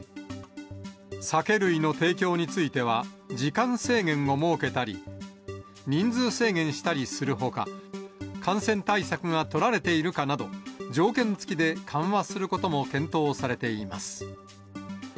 酒類の提供については、時間制限を設けたり、人数制限したりするほか、感染対策が取られているかなど、条件付きで緩和することも検討されています。